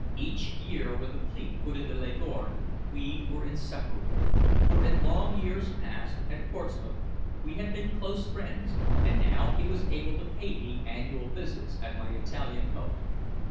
Each year when the fleet put into Leghorn we were inseparable, for in long years past, at Portsmouth, we had been close friends, and now he was able to pay me annual visits at my Italian home.